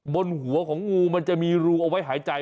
บนหัวของงูมันจะมีรูเอาไว้หายใจ